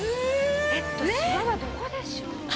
えっとしわはどこでしょう？